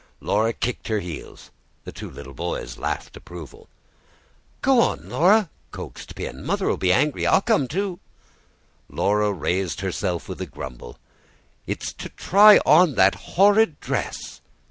Laura kicked her heels. The two little boys laughed approval. "Go on, Laura," coaxed Pin. "Mother'll be angry. I'll come, too." Laura raised herself with a grumble. "It's to try on that horrid dress."